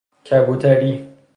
کبوتری